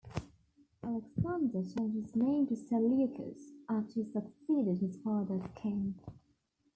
Alexander changed his name to Seleucus after he succeeded his father as King.